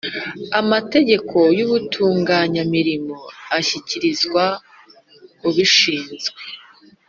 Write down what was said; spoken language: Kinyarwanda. Amategeko y’ubutunganya-mirimo ashyikirizwa ubishinzwe